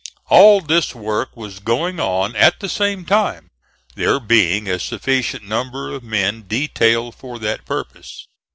All this work was going on at the same time, there being a sufficient number of men detailed for that purpose.